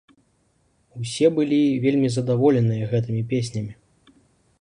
Усе былі вельмі задаволеныя гэтымі песнямі.